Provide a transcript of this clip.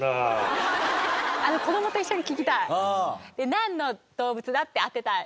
「なんの動物だ？」って当てたい。